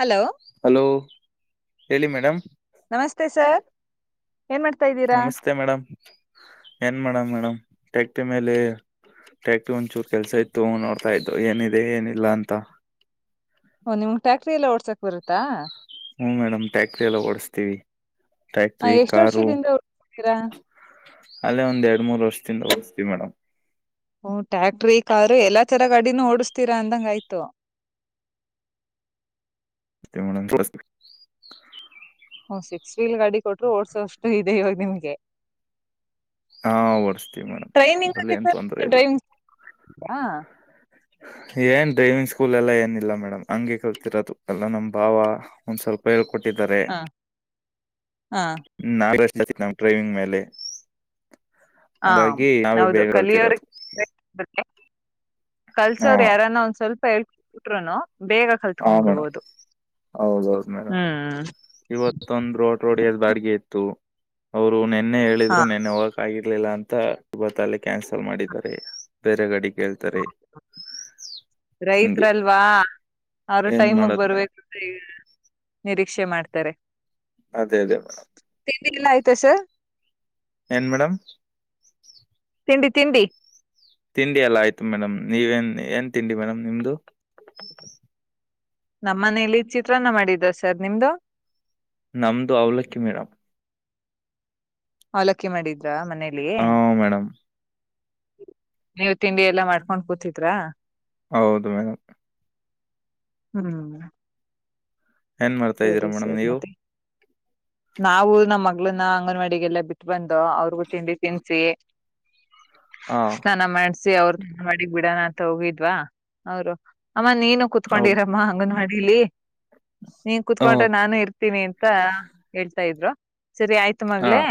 Hello hello ಹೇಳಿ madam ನಮಸ್ತೆ sir ಏನ್ ಮಾಡ್ತಾ ಇದ್ದೀರಾ ನಮಸ್ತೆ ಮೇಡಮ್ ಏನ್ ಮಾಡೇಡಂ್ ಮೇಡಮ್ ಟಕ್ಟಿ ಮೇಲೆ ಟ್ಯಾಕ್ಿ ಒಂಚೂರು ಕೆಲ್ಸ ಇತ್ತು ನೋಡ್ತಾ ಇದ್ದು ಏನಿದೆ ಏನಿಲ್ಲ ಅಂತ ಓ ನಿಮ್ಗ್ ಟ್ಯಾಕ್ಟ್ರಿ ಎಲ್ಲ ಓಡ್ಸಕ್ ಬರುತ್ತಾ ಹೂ ಮೇಡಮ್ ಟ್ಯಾಕ್ಟ್ರಿ ಎಲ್ಲ ಓಡಸ್ತೀವಿ ಹ ಟ್ಯಾಕ್ಟ್ರಿ ಎಷ್ಟ್ ಕಾರು ವರ್ಷದಿಂದ ಓಡ್ಸ್ತೀರಾ ಅಲ್ಲೇ ಒಂದ್ ಎರಡ್ ಮೂರ್ ವರ್ಷ ಯಿಂದ ಮೇಡಮ್ ಹಓ ಟ್ಯಾಕ್ಟ್ರಿ ಕಾರು ಎಲ್ಲ ತರ ಗಾಡಿನೂ ಓಡಸ್ತ ತೀರಾ ಅಂದಂಗ ಆಯ್ತು ಮತ್ತೆ ಮೇಡಂ ಹೂ ಸಿಕ್ಸ್ ವೀಲ್ ಗಾಡಿ ಕೊಟರು ಓಡ್ಸೋಷ್ಟು ಇದೆ ಇವಾಗ ನಿಮ್ಗೆ ಹಾ ಓಡಸ್ತೀವಿ ಮೇಡಮ್ ಅದ್ರಲ್ಲಿ ಏನ್ ತೊಂದರೆ ಇಲ್ಲ ಈಗ ಏನ್ ಡೈವಿಂಗ್ ಸ್ಕೂಲ್ ಎಲ್ಲ ಏನಿಲ್ಲ ಮೇಡಮ್ ಹಂಗೆ ಕಲ್ತಿರೋದು ಎಲ್ಲ ನಮ್ಮ್ ಭಾವ ಒಂದ್ ಸ್ವಲ್ಪ ಕೊಟ್ಟಿದ್ದಾರೆ ಹಾ ಹಾ ಹೂ ನಾಷ್ಟ ಆತಿ ನಮಗೆ ಇಂಟರೆಸ್ಟ್ ಡ್ರೈವಿಂಗ್ ಮೇಲೆ ಹಾ ಹಾಗಾಗಿ ನಾವೇ ಹೌದು ಬೇಗ ಕಲ್ತಿರೋದು ಕಲಿಯೋವರೆಗೆ ಹಾ ಕಲ್ಸೋ್ರ ಯಾರನ್ನ ಒಂದ್ ಸ್ವಲ್ಪ ಹೇಳ್ಕಬಟ್ರುನು ಹ ಮೇಡಂ ಹೌದೌದು ಮೇಡಂ ಹ್ಮ್ ಇವತ್ತೊಂದ್ ರೋಡ್ ರೋಡ್ ಎದ್ ಬಾಡ್ಿಗೆ ಇತ್ತು ಅವರು ನೆನ್ನೆ ಹಾ ಹೇಳಿದ್ರು ನೆನ್ನೆ ಹೋಗಕ ಆಗಿರ್ಲಿಲ್ಲ ಅಂತ ಇವತ ಅಲ್ಲಿ ಕ್ಯಾನ್ಸಲ್ ಮಾಡಿದ್ದಾರೆ. ಬೇರೆಗಾಡಿ. ಹಿಂಗೆ ರೈತ್ರಲ್ವಾ. ಅವರು ಏನ್ ಟೈಮಗ್ ಮಾಡೋದ್ ಮೇಡಮ್ ಬರ್ಬೇಕಂತ ನಿರೀಕ್ಷೆ ಮಾಡ್ತಾರೆ. ಅದೇ ಅದೇ ತಿಂಡಿಗಳ ಆಯ್ತಾ ಸರ್. ಏನ್ ಮೇಡಮ್. ತಿಂಡಿ ತಿಂಡಿ. ತಿಂಡಿ ಎಲ್ಲ ಆಯ್ತು ಮೇಡಮ್ ನೀವೇನ್ ಏನ್ ತಿಂಡಿ ಮೇಡಮ್ ನಿಮ್ದು. ನಮ್ಮ ಮನೇಲಿ ಚಿತ್ರಾನ್ನ ಮಾಡಿದ ಸರ್ ನಿಮ್ದು. ನಮದುು ಅವ್ಲಕ್ಕಿ ಮೇಡಮ್. ಅವಲಕ್ಕಿ ಮಾಡಿದ್ರಾ ಮನೇಲಿ. ಹಾ ಮೇಡಮ್ ನೀವು್ ತಿಂಡಿ ಎಲ್ಲಾ ಮಾಡ್ಕೊಂಡ್ ಕೂತಿದ್ರಾ. ಹೌದು ಮೇಡಂ. ಹ್ಮ್ ಏನ್ ಮಾಡ್ತಾ ಇದ್ದೀರಾ ಸರಿ ಮೇಡಮ್ ಸರ್ ನೀವು. ಮತ್ತೆ ನಾವು ನಮ್ಮ್ ಮಗಳನ್ನ ಅಂಗನವಾಡಿಗೆಲ್ಲ ಬಿಟ್ ಬಂದೋ ಅವ್ರಿಗೂ ತಿಂಡಿ ತಿನ್ಸಿ. ಹಾ ಸ್ನಾನ ಮಾಡ್ಸಿ ಅವ್ರ ಅಂಗನವಾಡಿ ಬಿಡಣ ಅಂತ ಹೋಗಿದ್ವಾ ಅವ್ರು. ಅಮ್ಮ ನೀನು ಹೌದು ಕುೂತ್ಕೊಂಡಿರಮ್ಮ ಅಂಗನವಾಡಿಲಿ. ನೀನ್ ಹ್ಮ್, ಕುೂತ್ಕೊಂಡ್ರೆ ನಾನು ಇರ್ತೀನಿ ಅಂತ. [unintelligible] ಇದ್ರು ಸರಿ ಆಯ್ತು ಹಾ ಮಗ್ಳೇ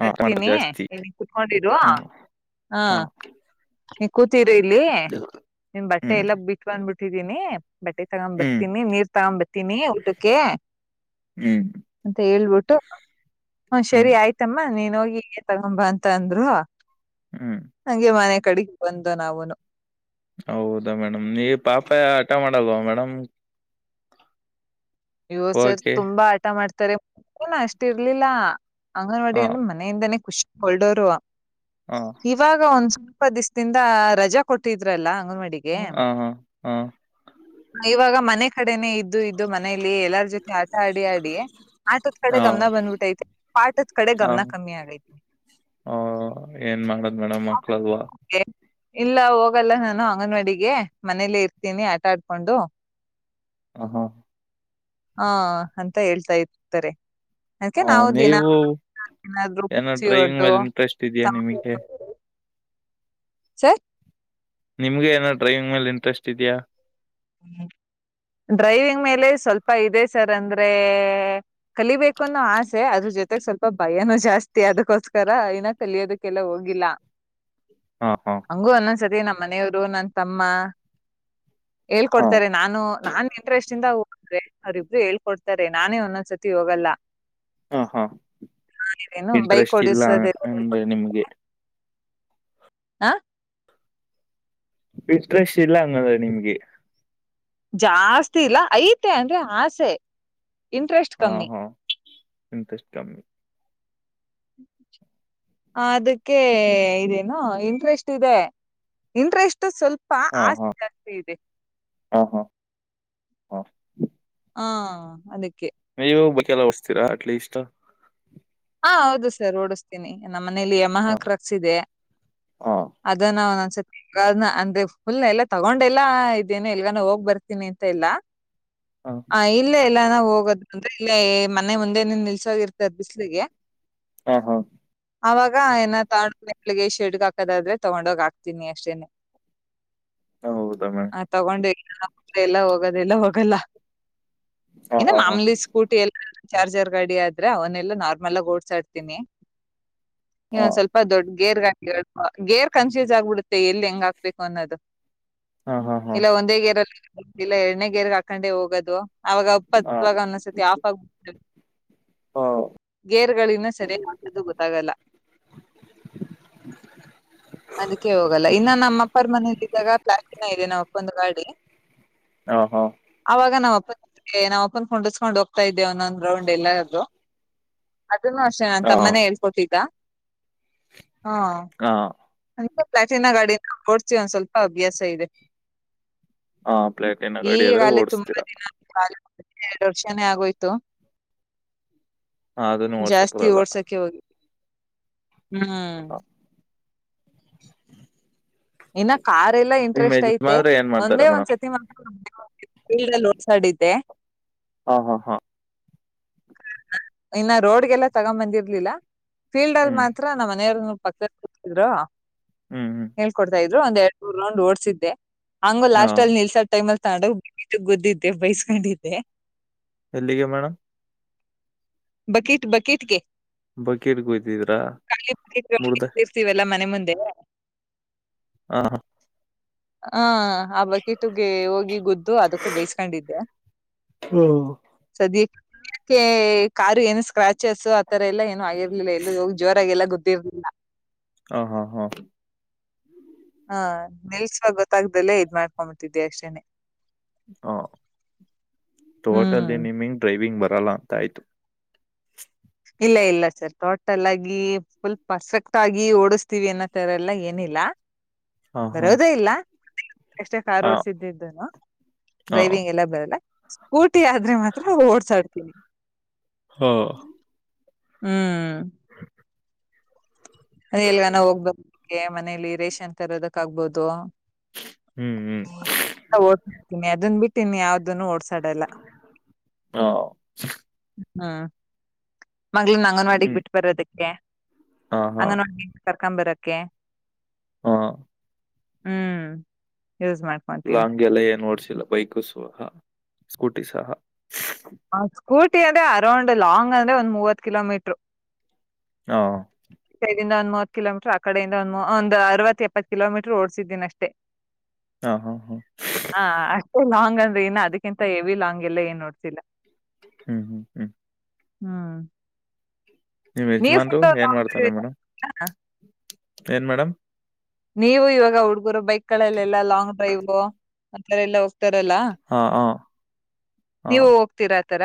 ಹಾ ಮಾಡೋದು ಬರ್ತೀನಿ ಜಾಸ್ತಿ ಇಲ್ಲಿ ಕುತ್ಕೊಂಡಿರುವ. ಹಾ ಹಾ ನೀ ಕೂತರಿ ಇಲ್ಲಿ ನಿಮ್ ಬಟ್ಟೆ ಹ್ಮ್ ಎಲ್ಲಾ ಬಿಟ್ ಬಂದ್ ಬಿಟ್ಟಿದೀನಿ. ಬಟ್ಟೆ ತಗೊಂಡ್ ಹ್ಮ್ ಬರ್ತೀನಿ ನೀರ್ ತಗೊಂಬರ್ತೀನಿ ಊಟಕ್ಕೆ. ಹ್ಮ್ ಅಂತ ಹೇಳ್ಬಿಟ್ಟು ಹ ಹ್ಮ್ ಸರಿ ಆಯ್ತಮ್ಮ ನೀನ್ ಹೋಗಿ ಹಗೆ ತಗೊಂಬ ಅಂತ ಅಂದ್ರು. ಹ್ಮ್ ಹಂಗೆ ಮನೆ ಕಡೆಗೆ ಬಂದು ನವುನು. ಹೌದಾ ಮೇಡಮ್ ನೀ ಪಾಪ ಆಟ ಮಾಡಲ್ವಾ ಮೇಡಮ್. ಅಯ್ಯೋ ಸರ್ ಓಕೆ ತುಂಬಾ ಆಟ ಮಾಡ್ತಾರೆ ಅಷ್ಟಿ ಇರ್ಲಿಲ್ಲ. ಅಂಗನವಾಡಿ ಹಾ ಅಂದ್ರೆ ಮನೆಯಿಂದನೇ ಖುಷ ಹೊಲ್ಡೋರು ಹಾ ಇವಾಗ ಒಂದ್ ಇಪ್ಪತ್ ದಿವಿಸದಿಂದ ರಜ ಕೊಟ್ಟಿದ್ರಲ್ಲ. ಅಂಗನವಾಡಿಗೆ ಹಾ ಹಾ ಹಾ ಇವಗ ಮನೆ ಕಡೆ ಇದ್ದು ಇದ್ದು. ಮನೇಲಿ ಎಲ್ಲಾರ ಜೊತೆ ಆಟ ಆಡಿ ಆಡಿ. ಆಟದ ಕಡೆ ಗಮನ ಹಾ ಬಂದ್ಬಿಟ್ಟೈತಿ ಪಾಠದ ಕಡೆ ಗಮನ ಕಮ್ಮಿ ಆಗೈತಿ. ಹ ಏನ್ ಮಾಡದ್ ಮೇಡಮ್ ಮಕ್ಳಲ್ವಾ. ಇಲ್ಲ ಹೋಗಲ್ಲ ನಾನು ಅಂಗನವಾಡಿಗೆ ಮನೇಲ್ಲ ಇರ್ತೀನಿ ಆಟ ಆಡ್ಕೊಂಡು. ಹ ಹಾ. ಹಾ ಅಂತ ಹೇಳ್ತಾ ಇರ್ತಾರೆ. ಅದಕ್ಕೆ ಹ ನಾವು ದಿನ ನೀವು. ಏನಾದ್ರು ಏನೋ ಪೂಜಿ ಡ್ರೈವಿಂಗ್ ಹೊಡೆದು ಮೇಲೆ ಇಂಟ್ರೆಸ್ಟ್ ಇದೆಯಾ ನಿಮಗೆ. ಸರ್ ನಿಮ್ಗೆ ಏನೋ ಡ್ರೈವಿಂಗ್ ಮೇಲೆ ಇಂಟ್ರೆಸ್ಟ್ ಇದೆಯಾ. ಡ್ರೈವಿಂಗ್ ಮೇಲೆ ಸ್ವಲ್ಪ ಇದೆ ಸರ್ ಅಂದ್ರೆ. ಕಲಿಬೇಕು ಅನ್ನೋ ಆಸೆ ಅದ್ರ ಜೊತೆಗ್ ಸ್ವಲ್ಪ ಭಯನೂ ಜಾಸ್ತಿ ಅದಕ್ಕೋಸ್ಕರ ಇನ್ನ ಕಲಿಯೋದಕ್ಕೆಲ್ಲಾ ಹೋಗಿ [unintelligible] ಗಿಲ್ಲ. ಹು ಹು. [unintelligible] ಸತಿ ನಮ್ಮ ಮನೆಯವರು ನನ್ ತಮ್ಮ. ಹಾ ಹೇಳ್ಕೊಡ್ತಾರೆ ನಾನು ನಾನ್ ಇಂಟ್ರೆಸ್ಟ್ ಇಂದ. ಅಂದ್ರೇ ಅವ್ರಿಬ್ರು ಹೇಳ್ಕೊಡ್ತಾರೆ ನಾನೇ ಒಂದೊಂದ್ಸತಿ ಹೋಗಲ್ಲ. ಹ ಹಾ ಮಾಡಿರೇನು ಬೈಕ್ ಇಂಟ್ರೆಸ್ಟ್ ಇಲ್ಲ ಓಡಿಸೋದ ಅಂದ್ರೆ ನಿಮ್ಗೆ. ಆ ಇಂಟ್ರೇಷ್ಟ್ ಇಲ್ಲ ಹಂಗಂದ್ರ ನಿನ್ಗೆ ಜಾಸ್ತಿ ಇಲ್ಲ ಐತೆ ಅಂದ್ರೆ ಆಸೆ ಇಂಟ್ರೆಸ್ಟ್ ಕಮ್ಮಿ ಎಂತಷ್ಟ ಕಮ್ಮಿ [unintelligible] ಹ [unintelligible] ಹ ಅದಕ್ಕೆ ಇದೇನೊ ಇಂಟ್ರೆಸ್ಟ್ ಇದೆ ಇಂಟ್ರೆಸ್ಟ್ ಸ್ವಲ್ಪ್ ಹಾ ಹಾ ಹಾ ಹಾ ಹಾ ಹಾ ಅದಕ್ಕೆ ಆಯ್ಯೋ ಬೂಕೆಲ್ಲ ಒಸತೀರಾ ಅಟ್ ಲೀಸ್ ಹ ಹೌದು ಸರ್ ಓಡಿಸ್ತೀನಿ ನಮ್ಮ ಮನೇಲಿ ಯಮಹ ಹಾ ಕ್ರಾಕ್ಸ್ ಇದೆ ಹಾ ಅದನ್ನ ಒಂದೊಂದ್ಸ್ ಸತಿ ಅಂದ್ರೆ ಪುಲ್ ಎಲ್ಲಾ ತಗೊಂಡೆಲ್ಲಾ ಇದೇನೆ ಎಲ್ಗಾನು ಹೋಗ್ ಬರ್ತೀನಿ ಅಂತ ಇಲ್ಲ ಹಾ ಹ ಇಲ್ಲೇ ಎಲ್ಲಾನಾ ಹೋಗದ ಬಂದ್ರೆ ಇಲ್ಲೇ ಮನೆ ಮುಂದೆನೆ ನಿಲ್ಸೋದ್ ಇರ್ತದ ಬಿಸ್ಲಿಗೆ. ಹಾ ಹಾ ಅವಾಗ ಏನ ತಂಗೊಡ್ ಹೋಗಿ ಶೆಡ್ಗ್ ಹಾಕದಾದ್ರೆ ತಗೊಂಡೋಗಿ ಹಾಕ್ತೀನಿ ಅಷ್ಟೇನೆ. ಹೌದಾ ಮೇಡಮ್ ಹ ತಗೊಂಡು ಎಲ್ಲ ಹೋಗೋದೆಲ್ಲ ಹೋಗಲ್ಲ ಹಾ ಇನ್ನು ಹಾ ಹಾ ಮಾಮೂಲಿ ಸ್ಕೂಟಿ ಎಲ್ಲ ಚಾರ್ಜರ್ ಗಾಡಿ ಆದ್ರೆ ಅವನ್ನೆಲ್ಲಾ ನಾರ್ಮಲ್ ಮಲ್ಲ್ ಓಡ್ಸಾಡ್ತೀನಿ ಹಾ ಇನೊಂದ್ ಸ್ವಲ್ಪ ದೊಡ್ಡ್ ಗೇರ್ ಗಾಡಿ ಗೇರ್ ಕನ್ಫ್ಯೂಸ್ ಆಗ್ಬಿಡುತ್ತೆ ಎಲ್ಲಿ ಹೆಂಗ್ ಹಾಕ್ಬೇಕು ಅನ್ನೋದು. ಹಾ ಹಾ ಹಾ ಇಲ್ಲ ಒಂದೇ ಗೇರ್ ಅಲ್ಲಿ ಇಲ್ಲ ಎರಡನೇ ಗೇರ್ ಹಾಕೊಂಡೆ ಹೋಗೋದು ಅವಾಗ ಹಾ ಹತ್ತುವಾಗ ಅನ್ನಸುತಿ ಆಫ್ ಆಗ್ಬು ಬಿ ಹಾ ಗೇರಗಳು ಇನ್ನ ಸರಿಯಾಗಿ ಹಾಕೊದು ಗೊತ್ತಾಗಲ್ಲ. ಅದಕ್ಕೆ ಹೋಗಲ್ಲ ಇನ್ನ ನಮ್ಮ ಅಪ್ಪರ್ ಮನೆ ಅಲ್ಲಿ ಇದ್ದಾಗ ಪ್ಲಾಸ್ಟಿ ಇದೆ ನಮ್ ಅಪ್ಪಂದು ಗಾಡಿ ಹಾ ಹಾ ಅವಾಗ ನಮ್ ನಮ್ ಅಪ್ಪನ ಕೂಂಡಿಸ್ಕೊಂಡ್ ಹೋಗ್ತಾ ಇದ್ದೆ ಒಂದೊಂದ್ ರೌಂಡ್ ಎಲ್ಲಾದ್ರೂ. ಅದನ್ನು ಅಷ್ಟೇ ನಾನ್ ಹಾ ತಮ್ಮನೇ ಹೇಳ್ಕೊಟಿದ್ದ. ಹಾ ಹಾ ಅಂದ್ರೆ ಪ್ಲಾಟಿನ ಗಾಡಿನ ಓಡ್ಸೀ ಒಂದ್ ಸ್ವಲ್ಪ ಅಭ್ಯಾಸ ಇದೆ. ಹಾ ಪ್ಲೇಟಿನ ಗಾಡಿ ಈಗ ಆದ್ರೆ ಅಲ್ಲಿ ತುಂಬಾ ಓಡಸ್ತೀರಾ ದಿನ [unintelligible] ಎರಡು ವರ್ಷಾನೇ ಆಗೋಯ್ತು ಅದನ್ನು ಓಡ್ಸಕ್ ಜಾಸ್ತಿ ಬರಲ್ಲ ಓಡ್ಸಕ್ಕೆ ಹೋಗಿಲ್ ಹ್ಮ್ [unintelligible] ಇನ್ನ ಕಾರ್ ಎಲ್ಲಾ ನಿಮ್ ಇಂಟ್ರೆಸ್ಟ್ ಐತೆ ಯಜಮಾನ್ರು ಏನ್ ಮಾಡ್ತಾರೆ ಒಂದೇ ಒಂದ್ ಮೇಡಮ್ ಸತಿ ಮಾತ್ರ [unintelligible] ಫೀಲ್ಡ್ ಅಲ್ಲಿ ಓಡ್ಸಡಿದ್ದೆ ಹಾ ಹಾ ಹಾ ಇನ್ನ ರೋಡ್ಗೆಲ್ಲಾ ತಗೊಂದ್ ಬಂದಿರ್ಲಿಲ್ಲ ಫೀಲ್ಡ್ ಅಲ್ಲಿ ಹ್ಮ್ ಮಾತ್ರ ನಮ್ಮ ಮನೆಯವರ್ ನ ಪಕ್ಕದಲ್ಲಿ ಕುತ್ತಿದ್ರೂ ಹ್ಮ್ ಹ್ಮ್ ಹೇಳ್ಕೊಡ್ತಾ ಇದ್ರು ಒಂದ್ ಎರಡ್ ಮೂರ್ ರೌಂಡ್ ಓಡ್ಸಿದ್ದೆ. ಹಂಗ್ ಹಾ ಲಾಸ್ಟ್ ಅಲ್ಲಿ ನಿಲ್ಸದ್ ಟೈಮ್ ಅಲ್ಲಿ ತಂಗೊಡ್ [unintelligible] ಬೈಸ್ಕೊಂಡಿದ್ದೆ ಎಲ್ಲಿಗೆ ಮೇಡಮ್ ಬಕಿಟ್ ಬಕಿಟ್ಗೆ ಬಕೀಟ್ ಕುಯ್ತಿದ್ರಾ [unintelligible] ಮುರ್ದೆ ಮನೆ ಮುಂದೆ ಹಾ ಹಾ ಆ ಬಕೀಟುಗೆ ಹೋಗಿ ಗುದ್ದು ಅದಕ್ಕೂ ಬೈಸ್ಕೊಂಡಿದ್ದೆ ಹ್ಮ ದ್ದಿ ಕಾರು ಏನು ಸ್ಕ್ರಾಚಸ್ ಆತರ ಎಲ್ಲ ಏನು ಏನೂ ಆಗಿರ್ಲಿಲ್ಲ ಎಲ್ಲೂ ಹೋಗಿ ಜೋರಾಗಿ ಎಲ್ಲ ಗೂದ್ರಿರ್ಲಿಲ್ಲ. ಹ ಹಾ ಹಾ ಹಾ ನಿಲ್ಸದ್ದು ಗೊತ್ತಾಗ್ದಲ್ಲೇ ಇದ್ ಮಾಡ್ಕೊಬಿಟ್ಟಿದ್ದೆ ಅಷ್ಟೇನೆ ಹೊ ಹ್ಮ್ ಟೋಟಲ್ಲಿ ನಿಮಿಂಗ್ ಡ್ರೈವಿಂಗ್ ಬರಲ್ಲ ಅಂತ ಆಯ್ತು ಇಲ್ಲ ಇಲ್ಲ ಸರ್ ಟೋಟಲ್ ಆಗಿ ಪುಲ್ ಪರ್ಫೆಕ್ಟ್ ಆಗಿ ಓಡಿಸ್ತೀವಿ ಅನ್ನೋತರಲ್ಲ ಏನಿ ಇಲ್ಲ ಹಾ ಹಾ ಬರೋದೇ ಇಲ್ಲ ಅಷ್ಟೇ ಕಾರ್ ಹಾ ಓಡ್ಸಿದ್ದಿದ್ದನು ಹಾ ಡ್ರೈವಿಂಗ್ ಎಲ್ಲ ಬರಲ್ಲ. ಕೂಟಿ ಆದ್ರೆ ಮಾತ್ರ ಓಡ್ಸಾಡ್ತೀನಿ ಹಾ ಹ್ಮ್ ಹ ಅದೇ ಎಲ್ಗನ ಹೋಗ್ಬಕ್ಕೆ ಮನೇಲಿ ರೇಷನ್ ತರೋದಕ್ ಆಗ್ಬೋದು ಹ್ಮ್ ಹ್ಮ್ ಓಡ್ತೀನಿ ಅದನ್ ಬಿಟ್ಟೀನಿ ಯಾವ್ದ ಇದನ್ನು ಓಡ್ಸಾಡಲ್ಲ ಹಾ ಹ್ಮ ಮಗಳನ ಅಂಗನವಾಡಿಗೆ ಹ್ಮ್ ಬಿಟ್ಟು ಬರೋದಕ್ಕೆ ಹಾ ಹಾ ಅಂಗನವಾಡಿ ಇಂದ ಕರ್ಕೊಂಬರೋಕ್ಕೆ ಹಾ ಹ್ಮ್ ಯೂಸ್ ಮಾಡ್ಕೊಂತೀನಿ ಲಾಂಗ್ ಎಲ್ಲ ಏನ್ ನೋಓಡ್ಸಿಲ್ಲ ಬೈಕ್ ಸಹ ಸ್ಕೂಟಿ ಸಹ ಆ ಸ್ಕೂಟಿ ಅಂದ್ರೆ ಅರೌಂಡ್ ಲಾಂಗ್ ಅಂದ್ರೆ ಒಂದ್ ಮೂವತ್ ಕಿಲೋ ಮೀಟರು ಹಾ ಂದ ಒಂದ್ವ ಕಿಲೋಮೀಟರ್ ಆ ಕಡೆಯಿಂದ ಒಂದ ಒಂದು ಅರವತ್ ಎಪ್ಪತ್ತು ಕಿಲೋಮೀಟರ್ ಓಡಸಿದ್ದಿನಿ ಅಷ್ಟೇ ಹಾ ಹಾ ಹಾ ಹಾ ಅಷ್ಟೇ ಲಾಂಗ್ ಅಂದ್ರೆ ಇಏ ಅದಕ್ಕಿಂತ ಹೆವಿ ಲಾಂಗ್ ಎಲ್ಲ ಏನ್ ನೋಡ್ತಿಲ್ಲ ಹ್ಮ್ ಹ್ಮ್ ಹ್ಮ್ ಹ್ಮ್ ನೀವ್ ಯಜಮಾನ್ರು ಏನ್ ಲಾಂಗ್ ಮಾಡ್ತಾರೆ ಡ್ರೈವ್ ಮೇಡಮ್ ಏನ್ ಮೇಡಮ್ ನೀವು ಇವಾಗ ಹುಡ್ಗರು ಬೈಕ್ ಗಳಲ್ಲೆಲ್ಲಾ ಲಾಂಗ್ ಡ್ರೈವ್ ಆ ಎಲ್ಲ ತರಲ್ಲ ಹಾ ಹಾ ಹಾ ನೀವು ಹೋಗ್ತೀರಾ ಆತರ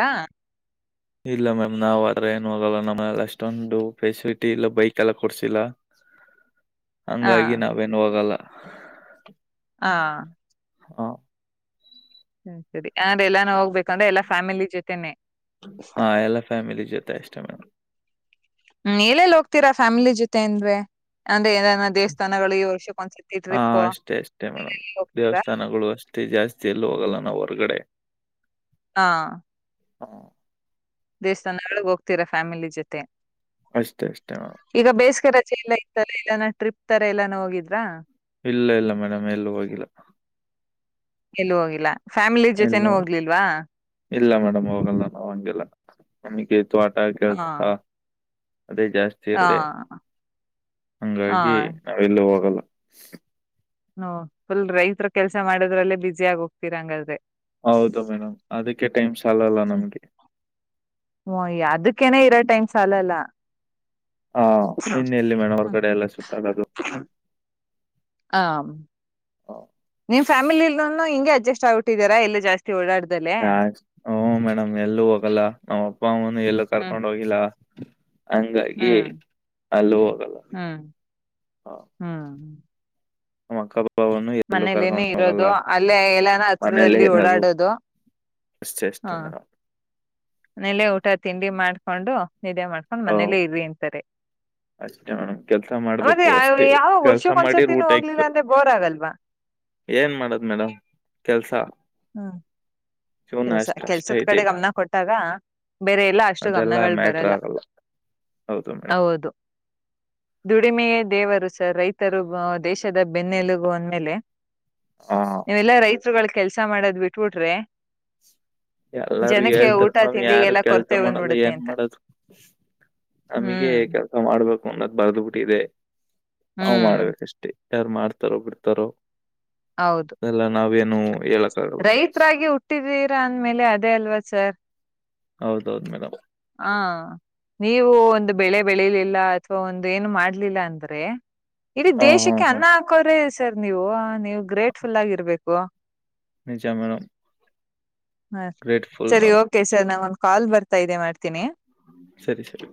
ಇಲ್ಲ ಮ್ಯಾಮ್ ನಾವ್ ಆದ್ರೆ ಏನು ಹೋಗಲ್ಲ ನಮ್ಮ ಅಷ್ಟೊಂದು ಫೆಸಿಲಿಟಿ ಇಲ್ಲ ಬೈಕ್ ಎಲ್ಲ ಕೊಡ್ಸಿಲ್ಲ ಸ್ ಹಂಗಾಗಿ ನಾವೇನ್ ಹೋಗಲ್ಲ ಹಾ ಹಾ ಸರಿ ಸರಿ ಆದಂದ್ರೆ ಎಲ್ಲಾನು ಹೋಗ್ಬೇಕ ಅಂದ್ರೆ ಎಲ್ಲ ಫ್ಯಾಮಿಲಿ ಜೊತೆನೆ ಹಾ ಎಲ್ಲ ಫ್ಯಾಮಿಲಿ ಜೊತೆ ಇಷ್ಟ ಮೇಡಂ ಹ್ಮ್ ಹೇಳೆಲ್ ಹೋಗ್ತೀರಾ ಫ್ಯಾಮಿಲಿ ಜೊತೆನ್್ವೆ ಏನ ದೇವಸ್ಥಾನಗಳು ಈ ವರ್ಷಕ್ಕ ಒಂದ್ಸರ್ತಿ ಹಾ ಟ್ರಿಪ್ ಅಷ್ಟೇ ಅಷ್ಟೇ ಹೋಗ್ತರ ಜಾಸ್ತಿಯಲ್ಲೂ ಹೋಗಲ ನಾವು ಹೊರಗಡೆ ಹಾ ಹಾ ದೇವಸ್ಥಾನಗಳಳಗ್ ಹೋಗ್ತೀರಾ ಫ್ಯಾಮಿಲಿ ಜೊತೆ ಅಷ್ಟೇ ಅಷ್ಟೇ ಮಾಮ್ ೆ ಎಲ್ಲ ಇತಾರೆ ಎಲ್ಲಾನ ಟ್ರಿಪ್ ತರ ಎಲ್ಲಾನ ಹೋಗಿದ್ರಾ ಇಲ್ಲ ಇಲ್ಲ ಮೇಡಮ್ ಎಲ್ಲ ಹೋಗಿಲ್ಲ ಎಲ್ಲ ಹೋಗಿಲ್ಲ ಫ್ಯಾಮಿಲಿ ಇಲ್ಲ ಜೊತೆನು ಹೋಗ್ಲಿಲ್ವಾ ಇಲ್ಲ ಮೇಡಮ್ ಹೋಗಲ್ಲ ನಾವು ಹಂಗೆಲ್ಲ ನಮಗೆ ತೋಟ ಹಾ ಕೆಲಸ ಅದೇ ಜಾಸ್ತಿ ಹಾ ಇರ್ರೆ ಹಾ ಹಂಗಾಗಿ ನಾವೆಲ್ಲೂ ಹೋಗಲ್ಲ ಸ್ರ್ ಹ ಫುಲ್ ರೈತ್ರ ಕೆಲ್ಸ ಮಾಡದ್ರಲ್ಲೇ ಬಸಿ ಆಗ ಹೋಗ್ತೀರಾ ಹಂಗಾದ್ರೆ ಹೌದು ಮೇಡಮ್ ಅದಕ್ಕೆ ಟೈಮ್ ಸಾಲಲ್ಲ ಹ್ಮ್ ನಮ್ಗೆ ಕೆನ ಇರೋ ಟೈಮ್ ಸಾಲಲ್ಲ. ಹಾ ಇನ್ನೆಲ್ಲಿ ಮೇಡಂ ಅವರ ಕಡೆ ಎಲ್ಲ ಸುತ್ತಾಗದು ಆ ಹಾ ನಿಮ್ ಫ್ಯಾಮಿಲಿಲ್ ಹಿಗೆ ಅಡ್ಜಸ್ಟ್ ಆಗ್ಿಟ್ಟಿದರಾ ಎಲ್ಲ ಜಾಸ್ತಿ ಓಡಾಡ್ದ ಹಾ ಹಓ ಮೇಡಮ್ ಎಲ್ಲೂ ಹೋಗಲ್ಲ ನಮ್ಮ್ ಅಪ್ಪ ಅಮ್ಮನು ಎಲ್ಲೂ ಹ್ಮ್ ಕರ್ಕೊಂಡ್ ಹೋಗಿಲ್ಲ ಹಂಗಾಗಿ ಹ್ಮ್ ಅಲ್ಲ ಹೋಗಲ್ಲ ಹ್ಮ್ ಹಾ ನಮ್ ಅಕ್ಕಗು ಮನೇಲೇನ ಇರೋದು ಅಲ್ಲೇ ಎಲ್ಲಾನ ಹತ್ರಿತ್ರದಲ್ಲಿ ಓಡಾಡೋದು ಹ ವಿಶೇಷ್ಟ ಮೇಡಂ. ಮನೇಲೆ ಊಟ ತಿಂಡಿ ಮಾಡ್ಕೊಂಡು ನಿದ್ದೆ ಮಾಡ್ಕೊಂಡ್ ಹ್ಮ್ ಮನೇಲ್ಲೇ ಇರ್ರಿ ಅಂತಾರೆ. ಅಷ್ಟೇ ಮೇಡಮ್ ಕೆಲ್ಸ ಮತ್ತೆ ಮಾಡ್ಬೇಕು ಅಷ್ಟೇ ಯಾವ ಕೆಲ್ಸ ವರ್ಷಕ್ ಮಾಡಿ ಒಂದ್ಸತಿನೂ ಊಟ ಹೋಗ್ಲಿಲ್ಲ ಆಯತ ರೀ. ಅಂದ್ರೆ ಬೋರ್ ಆಗಲ್ವಾ ಏನ್ ಮಾಡದ್ ಮೇಡಮ್ ಕೆಲ್ಸ. ಹ್ಮ್ ಜೀವನ ಕೆಲಸ ಅಷ್ಟ್ ಅಷ್ಟೇ ಕೆಲ್ಸದ ಕಡೆ ಇದೆ. ಗಮನ ಕೊಟ್ಟಾಗ. ಬೇರೆ ಎಲ್ಲ ಅಷ್ಟು ಅದೆಲ್ಲ ಗಮನಗಳು ಮ್ಯಾಟ್ರ್ ಬರಲ್ಲ. ಆಗಲ್ಲ. ಹೌದು ಮೇಡಮ್ [inaudible] ಹೌದು ದುಡಿಮೆಯೇ ದೇವರು ಸರ್ ರೈತರು ದೇಶದ ಬೆನ್ನೆಲುಗು ಅಂದ್ಮೇಲೆ. ಆ ನೀವೆಲ್ಲಾ ರೈತರುಗಳ ಕೆಲ್ಸ ಮಾಡೋದ್ ಬಿಟ್ಬಿಟ್ರಿ. ಎಲ್ಲಾರೂ ಹೇಳ್ತಾರ ನಮ್ ಯಾರು ತಿಂಡಿಗೆಲ್ಲ ಕೆಲ್ಸ ಕೊರತೆ ಮಾಡಲ್ಲ ಬಂದ್ಬಿಡುತ್ತೆ ಏನ್ ಅಂತ ಮಾಡದು. ನಮಗೆ ಹ್ಮ್ ಕೆಲ್ಸ ಮಾಡ್ಬೇಕು. ನ್ನದ ಬರ್ದ ಬಿಟ್ಟಿದೆ ಅವ್ ಹ್ಮ್ ಮಾಡ್ಬೇಕಷ್ಟೇ ಯಾರು ಮಾಡ್ತಾರೋ ಬಿಡ್ತಾರೋ. ಹೌದು ಅದೆಲ್ಲ ನಾವೇನು ಹೇಳಕ್ ಆಗಲ್ಲ ರೈತರಾಗಿ ಹುಟ್ಟಿದೀರಾ ಅಂದ್ಮೇಲೆ ಅದ. ಇದೇ ಅಲ್ವಾ ಸರ್. ಹೌದೌದು ಮೇಡಮ್. ಹಾ ನೀವು ಒಂದು ಬೆಳೆ ಬೆಳಿಲಿಲ್ಲ ಅಥವಾ ಒಂದ ಏನು ಮಾಡ್ಲಿಲ್ಲ ಅಂದ್ರೆ. ಇಡೀ ಹಾ ಹಾ ದೇಶಕ್ಕೆ ಹಾ ಅನ್ನ ಹಾಕೋ. ರೆ ಸರ್ ನೀವು ನೀವು ಗ್ರೇಟ್ಫುಲ್ ಆಗಿ ಇರ್ಬೇಕು ನಿಜ ಮೇಡಂ. ಹಾ ಸರಿ ಓಕೆ ಸರ್ ನಾ ಒಂದ್ ಕಾಲ್ ಬರ್ತಾ ಇದೆ ಮಾಡ್ತೀನಿ. ಸರಿ ಸರಿ.